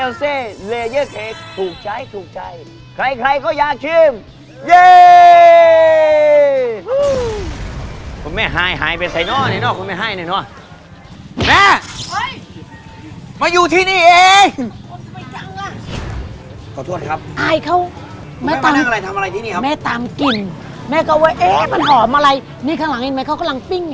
ละมุนอื้อหือน้ำซุปนะครับเค็มพ่นแล้วก็หอมมากครับผม